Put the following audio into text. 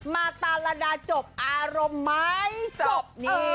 มาตาระดาจบอารมณ์ไหมจบนี้